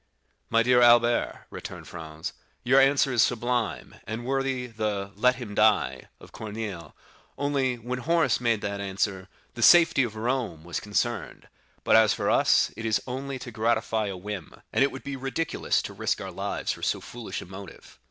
"My dear Albert," returned Franz, "your answer is sublime, and worthy the 'Let him die,' of Corneille, only, when Horace made that answer, the safety of Rome was concerned; but, as for us, it is only to gratify a whim, and it would be ridiculous to risk our lives for so foolish a motive."